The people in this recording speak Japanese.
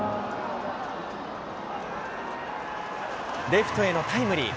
レフトへのタイムリー。